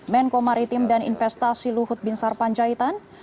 menko maritim dan investasi luhut bin sarpanjaitan